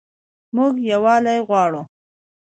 موږ یووالی غواړو